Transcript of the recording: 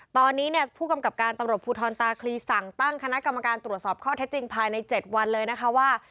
ตอนนี้เนี่ยผู้กำกับการตำรวจภูทรตาคลีสั่งตั้งคณะกรรมการตรวจสอบข้อเท็จจริงภายใน๗วันเลยนะคะว่า